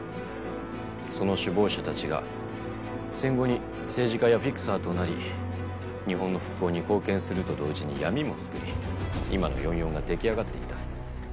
その首謀者たちが戦後に政治家やフィクサーとなり日本の復興に貢献すると同時に闇も作り今の４４が出来上がっていった。